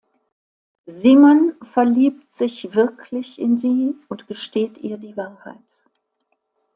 Simon verliebt sich wirklich in sie und gesteht ihr die Wahrheit.